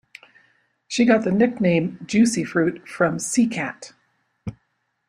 She got the nickname "Juicy Fruit" from C-Kat.